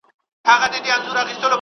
ایا ته آنلاین اخبارونه او خبرونه لولې؟